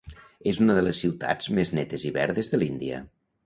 És una de les ciutats més netes i verdes de l'Índia.